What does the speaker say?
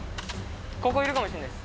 ここいるかもしんないです